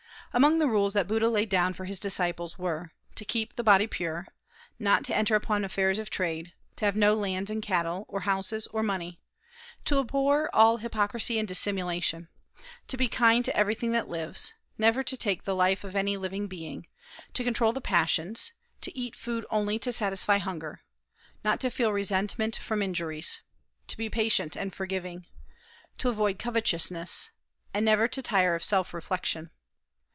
Among the rules that Buddha laid down for his disciples were to keep the body pure; not to enter upon affairs of trade; to have no lands and cattle, or houses, or money; to abhor all hypocrisy and dissimulation; to be kind to everything that lives; never to take the life of any living being; to control the passions; to eat food only to satisfy hunger; not to feel resentment from injuries; to be patient and forgiving; to avoid covetousness, and never to tire of self reflection.